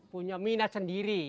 punya minat sendiri